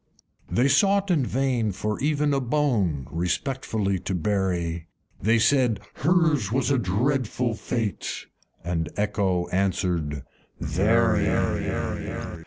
V. They sought in vain for even a bone Respectfully to bury; They said, "Hers was a dreadful fate!" (And Echo answered, "Very.")